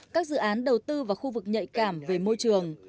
các dự án đầu tư vào khu vực nhạy cảm về môi trường